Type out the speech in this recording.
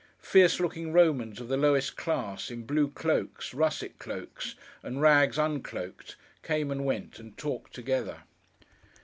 Fierce looking Romans of the lowest class, in blue cloaks, russet cloaks, and rags uncloaked, came and went, and talked together.